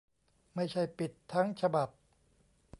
ไม่ใช่ปิดทั้งฉบับ